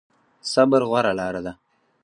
صبر غوره لاره ده